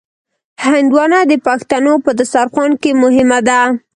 هندوانه د پښتنو په دسترخوان کې مهمه ده.